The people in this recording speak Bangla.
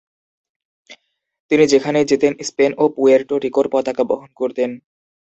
তিনি যেখানেই যেতেন, স্পেন ও পুয়ের্টো রিকোর পতাকা বহন করতেন।